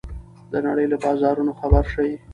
د نړۍ له بازارونو خبر شئ.